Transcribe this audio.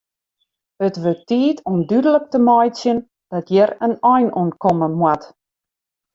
It wurdt tiid om dúdlik te meitsjen dat hjir in ein oan komme moat.